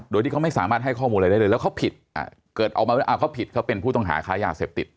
โดยก็ไม่สามารถให้ข้อมูลอะไรเลยแล้วเขาผิดเขาเป็นผู้ต้องหาฆ่ายาเสพติด